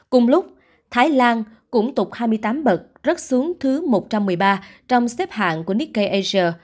cùng lúc thái lan cũng tục hai mươi tám bậc rớt xuống thứ một trăm một mươi ba trong xếp hạng của nikkei asia